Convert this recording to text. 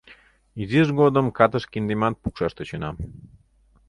Изиж годым катыш киндемат пукшаш тӧченам.